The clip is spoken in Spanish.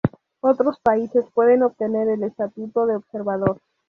Otros países pueden obtener el estatuto de observador.